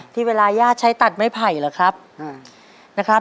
ที่เวลาย่าใช้ตัดไม่ไผ่เหรอครับ